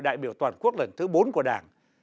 đại biểu toàn quốc lần thứ bốn của đảng